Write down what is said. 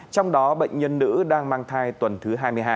trong đó bệnh nhân nữ đang mang thai tuần thứ hai mươi hai